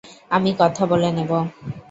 আমি কথা বলে নেবো।